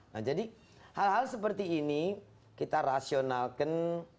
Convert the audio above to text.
nah jadi hal hal seperti ini kita rasionalkan